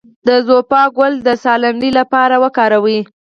د زوفا ګل د ساه لنډۍ لپاره وکاروئ